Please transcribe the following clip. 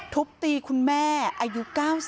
ทุบตีคุณแม่อายุ๙๐